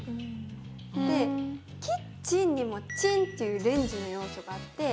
で「キッチン」にも「チン」っていうレンジの要素があって。